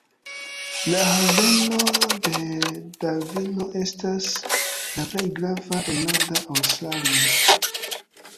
La haveno de Darvino estas la plej grava en norda Aŭstralio.